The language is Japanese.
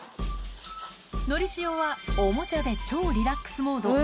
のりしおはおもちゃで超リラックスモード。